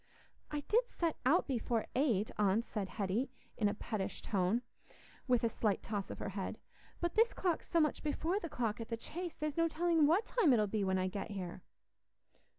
"I did set out before eight, aunt," said Hetty, in a pettish tone, with a slight toss of her head. "But this clock's so much before the clock at the Chase, there's no telling what time it'll be when I get here."